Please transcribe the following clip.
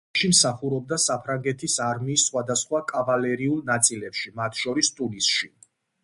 შემდეგში მსახურობდა საფრანგეთის არმიის სხვადასხვა კავალერიულ ნაწილებში, მათ შორის ტუნისში.